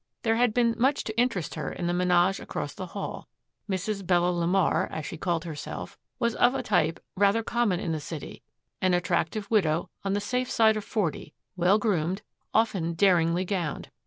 There had been much to interest her in the menage across the hall. Mrs. Bella LeMar, as she called herself, was of a type rather common in the city, an attractive widow on the safe side of forty, well groomed, often daringly gowned.